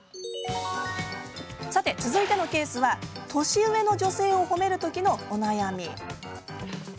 さて、続いてのケースは年上の女性を褒める時のお悩みです。